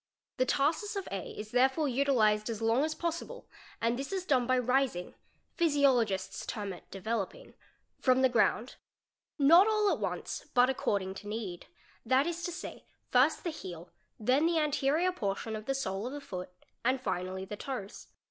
The tarsus of A is ~ therefore utilised as long as possible and this is done by rising (physiolo gists term it "' developing '') from the ground, not all at once, but accord ing to need, that is to say, first the heel, then the anterior portion of the sole of the foot, and finally the toes.